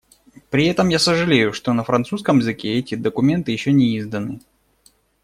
При этом я сожалею, что на французском языке эти документы еще не изданы.